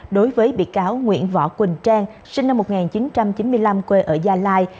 đối với bị cáo nguyễn võ quỳnh trang sinh năm một nghìn chín trăm chín mươi năm quê ở gia lai